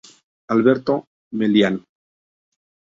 Alberto Melián